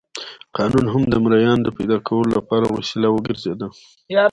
قانون هم د مریانو د پیدا کولو لپاره وسیله وګرځېده.